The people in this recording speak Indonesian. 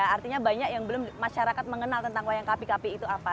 artinya banyak yang belum masyarakat mengenal tentang wayang kapi kapi itu apa